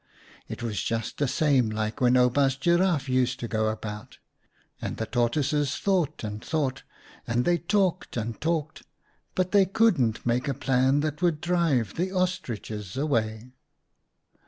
It was just the same like when Oubaas Giraffe used to go about. And the tortoises thought and thought, and they talked and talked, but they couldn't make a plan that would drive the Ostriches away.